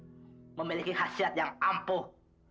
cincin ini memiliki khasiat yang ampuh